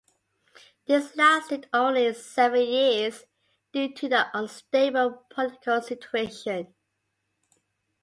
This lasted only seven years, due to the unstable political situation.